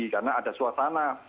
karena ada suasana